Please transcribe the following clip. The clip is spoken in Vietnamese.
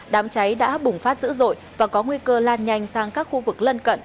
đám cháy đã bùng phát dữ dội và có nguy cơ lan nhanh sang các khu vực lân cận